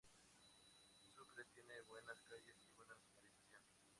Sucre tiene buenas calles y buena señalización.